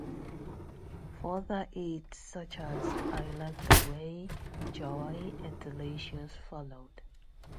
Further hits such as "I Like the Way", "Joy" and "Delicious" followed.